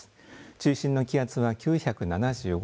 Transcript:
中心の気圧は９７５